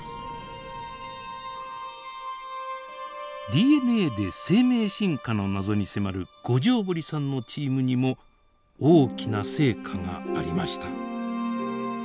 ＤＮＡで生命進化の謎に迫る五條堀さんのチームにも大きな成果がありました。